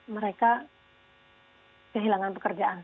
mereka kehilangan pekerjaan